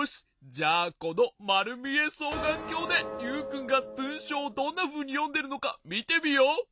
じゃあこのまるみえそうがんきょうでユウくんがぶんしょうをどんなふうによんでるのかみてみよう。